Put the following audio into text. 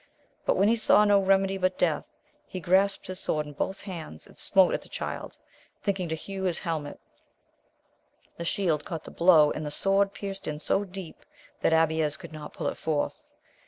But, when he saw no remedy but death, he grasped his sword in both hands, and smote at the Child, thinking to hew his helmet ; the shield caught the blow, and the sword pierced in so deep that Abies could not pull it forth.